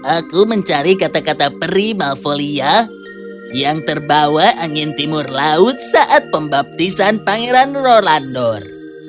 aku mencari kata kata peri malfolia yang terbawa angin timur laut saat pembaptisan pangeran rolandor